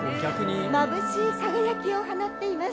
まぶしい輝きを放っています。